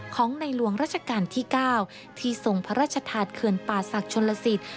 ของในหลวงราชการที่๙ที่ทรงพระราชธาตุเขื่อนป่าศักดิ์ชนลสิต